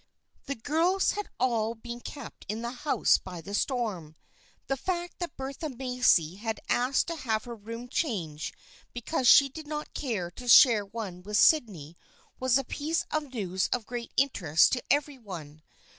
The girls had all been kept in the house by the storm. The fact that Bertha Macy had asked to have her room changed because she did not care to share one with Sydney was a piece of news of great interest to every one.